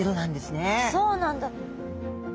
そうなんだ。